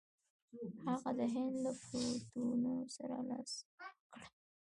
هغه د هند له قوتونو سره لاس یو کړي.